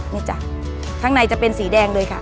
นี่จ้ะข้างในจะเป็นสีแดงเลยค่ะ